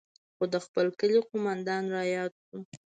خو د خپل کلي قومندان راياد سو.